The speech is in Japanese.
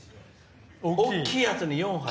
大きいやつに４杯？